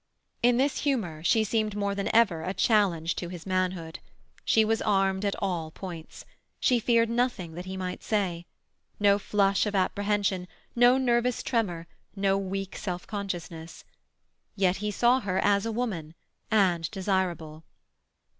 In this humour she seemed more than ever a challenge to his manhood. She was armed at all points. She feared nothing that he might say. No flush of apprehension; no nervous tremor; no weak self consciousness. Yet he saw her as a woman, and desirable.